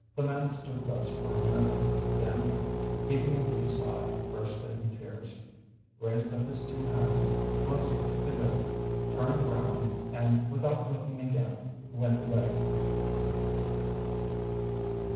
The man stood thus for a minute, then heaving a deep sigh, burst into tears, raised up his two hands, blessed the goat, turned round, and without looking again, went away.